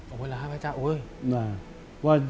โอ้หรือพระเจ้า